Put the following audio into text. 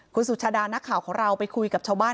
คุณสุชาดานักข่าวของเราไปคุยกับชาวบ้าน